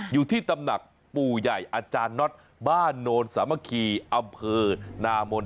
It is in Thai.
อยู่ที่ตำหนักปูใหญ่อาจารย์น็อตบานโนรสมะครีอมเภิร์นามนท์